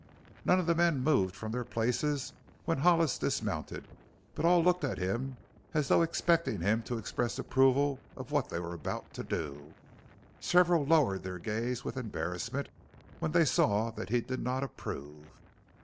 None of the men moved from their places when Hollis dismounted, but all looked at him as though expecting him to express approval of what they were about to do. Several lowered their gaze with embarrassment when they saw that he did not approve.